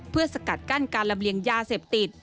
เพื่อสกัดกั้นการลำเลียงยาเสพติด